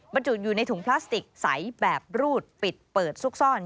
บรรจุอยู่ในถุงพลาสติกใสแบบรูดปิดเปิดซุกซ่อน